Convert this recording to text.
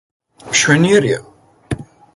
მშვენიერია.